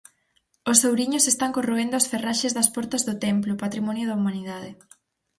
Os ouriños están corroendo as ferraxes das portas do templo, patrimonio da Humanidade.